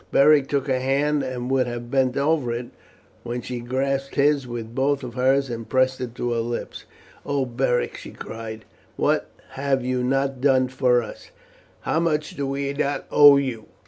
Beric took her hand, and would have bent over it, when she grasped his with both of hers and pressed it to her lips. "Oh, Beric," she cried, "what have you not done for us, and how much do we not owe you!